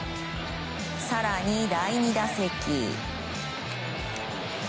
更に、第２打席。